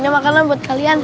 ini makanan buat kalian